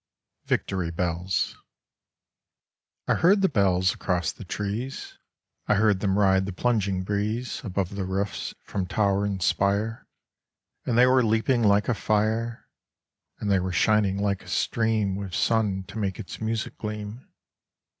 50 VICTORY BELLS I heard the bells across the trees, I heard them ride the plunging breeze Above the roofs from tower and spire, And they were leaping like a fire, And they were shining like a stream With sun to make its music gleam.